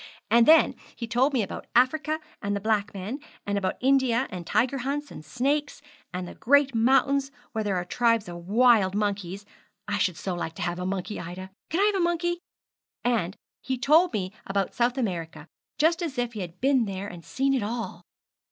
And then he told me about Africa and the black men, and about India, and tiger hunts, and snakes, and the great mountains where there are tribes of wild monkeys; I should so like to have a monkey, Ida! Can I have a monkey? And he told me about South America, just as if he had been there and seen it all.'